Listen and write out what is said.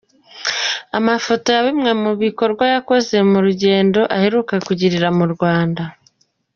Amafoto ya bimwe mu bikorwa yakoze mu rugendo aheruka kugirira mu Rwanda